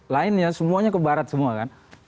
lainnya semuanya ke barat semua kan